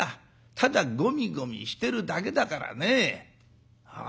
ただごみごみしてるだけだからね。